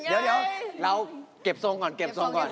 เดี๋ยวเราก็เก็บโทรของ้อน